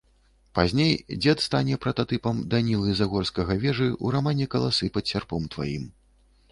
Пазней дзед стане прататыпам Данілы Загорскага-Вежы ў рамане «Каласы пад сярпом тваім».